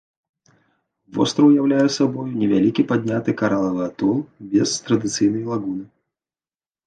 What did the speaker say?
Востраў уяўляе сабою невялікі падняты каралавы атол без традыцыйнай лагуны.